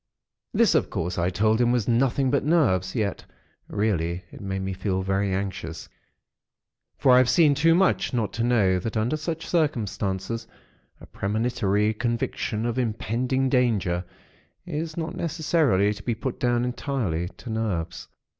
This, of course, I told him was nothing but nerves; yet, really, it made me feel very anxious; for I have seen too much, not to know that under such circumstances, a premonitory conviction of impending danger, is not necessarily to be put down entirely to nerves.